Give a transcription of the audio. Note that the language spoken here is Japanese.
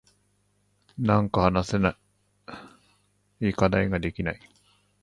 なんか話せない。課題ができない。